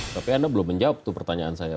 tapi anda belum menjawab tuh pertanyaan saya